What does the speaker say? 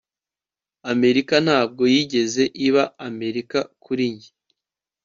Amerika ntabwo yigeze iba Amerika kuri njye